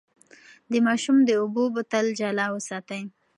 د ماشوم د اوبو بوتل جلا وساتئ.